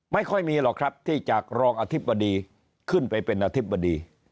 ไม่ค่อยมีหรอกครับที่จากรองอธิบดีขึ้นไปเป็นอธิบดี